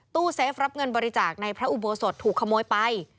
เซฟรับเงินบริจาคในพระอุโบสถถูกขโมยไป